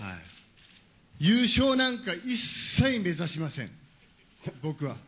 優勝なんか一切目指しません、僕は。